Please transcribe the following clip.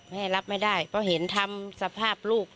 แม่รับไม่ได้เพราะเห็นทำสภาพลูก